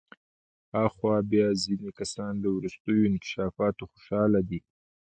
آخوا بیا ځینې کسان له وروستیو انکشافاتو خوشحاله دي.